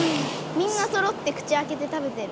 みんなそろって口開けて食べてる。